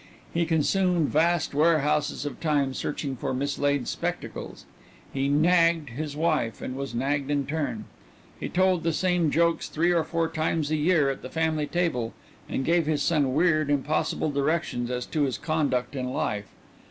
He consumed vast warehouses of time searching for mislaid spectacles. He "nagged" his wife and was nagged in turn. He told the same jokes three or four times a year at the family table, and gave his son weird, impossible directions as to his conduct in life.